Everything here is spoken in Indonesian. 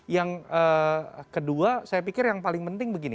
yang kedua saya pikir yang paling penting begini